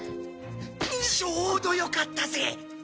ちょうどよかったぜ。